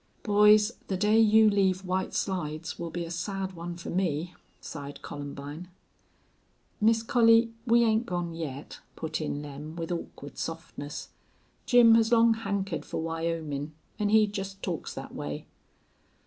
"Boys, the day you leave White Slides will be a sad one for me," sighed Columbine. "Miss Collie, we 'ain't gone yet," put in Lem, with awkward softness. "Jim has long hankered fer Wyomin' an' he jest talks thet way."